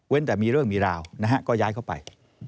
แต่มีเรื่องมีราวนะฮะก็ย้ายเข้าไป